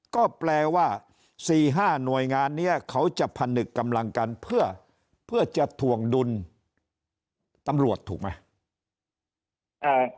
ก็แปลว่า๔๕หน่วยงานนี้เขาจะผนึกกำลังกันเพื่อจะถวงดุลตำรวจถูกไหม